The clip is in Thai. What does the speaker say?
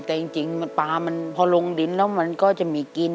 แต่จริงปลามันพอลงดินแล้วมันก็จะมีกิน